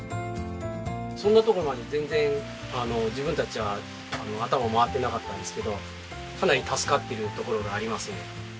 そんなとこまで全然自分たちは頭回ってなかったんですけどかなり助かっているところがありますね。